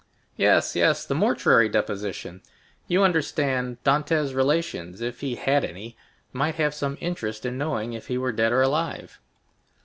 "Yes, yes, the mortuary deposition. You understand, Dantès' relations, if he had any, might have some interest in knowing if he were dead or alive."